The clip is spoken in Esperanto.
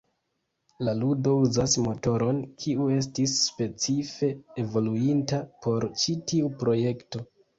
La ludo uzas motoron kiu estis specife evoluinta por ĉi tiu projekto.